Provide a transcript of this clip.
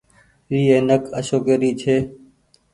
اي اينڪ اشوڪي ري ڇي۔